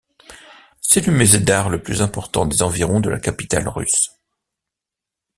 C'est le musée d'art le plus important des environs de la capitale russe.